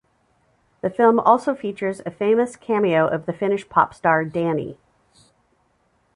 The film also features a famous cameo of the Finnish pop-star Danny.